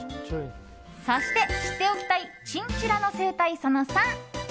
そして、知っておきたいチンチラの生態その３。